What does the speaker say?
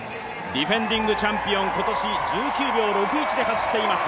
ディフェンディングチャンピオン、今年１９秒６１で走っています